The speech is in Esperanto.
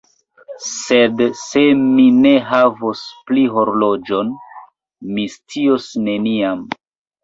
Sed se mi ne havos pli horloĝon, mi scios neniam.